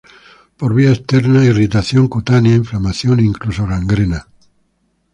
Por vía externa irritación cutánea, inflamación e incluso gangrena.